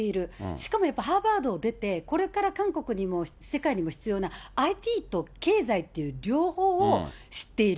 しかもやっぱりハーバードを出て、これから韓国にも、世界にも必要なＩＴと経済っていう両方を知っている。